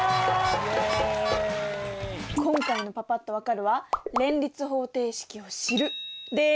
今回のパパっと分かるは連立方程式を知るです！